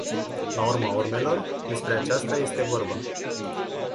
La urma urmelor, despre aceasta este vorba.